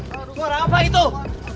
suara apa itu